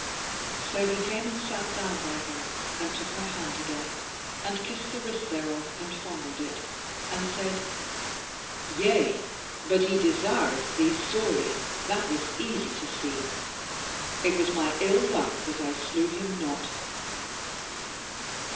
So he came and sat down by her, and took her hand again and kissed the wrist thereof and fondled it and said: "Yea, but he desireth thee sorely; that was easy to see. It was my ill luck that I slew him not."